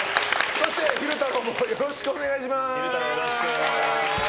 そして、昼太郎もよろしくお願いします。